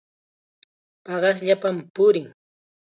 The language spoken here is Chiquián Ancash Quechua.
Paqasllapam purin.